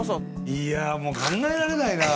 いやもう考えられないなあ。